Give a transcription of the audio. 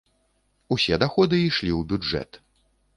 Усе даходы ішлі ў бюджэт.